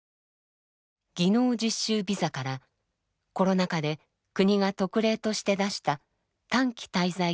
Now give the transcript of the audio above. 技能実習ビザからコロナ禍で国が特例として出した短期滞在